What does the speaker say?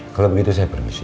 kalau begitu saya permisi